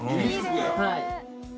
はい。